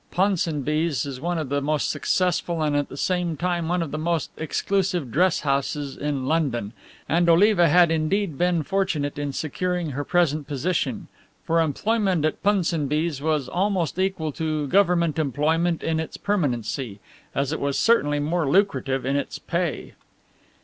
Punsonby's is one of the most successful and at the same time one of the most exclusive dress houses in London, and Oliva had indeed been fortunate in securing her present position, for employment at Punsonby's was almost equal to Government employment in its permanency, as it was certainly more lucrative in its pay.